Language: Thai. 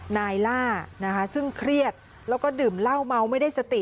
นายล่านะคะซึ่งเครียดแล้วก็ดื่มเหล้าเมาไม่ได้สติ